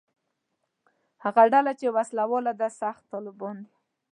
هغه ډله چې وسله واله ده «سخت طالبان» دي.